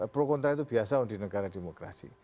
pro kontra itu biasa di negara demokrasi